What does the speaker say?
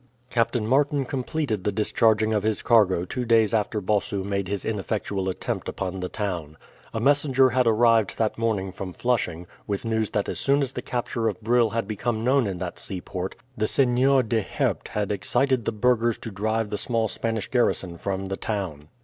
Captain Martin completed the discharging of his cargo two days after Bossu made his ineffectual attempt upon the town. A messenger had arrived that morning from Flushing, with news that as soon as the capture of Brill had become known in that seaport, the Seigneur de Herpt had excited the burghers to drive the small Spanish garrison from the town.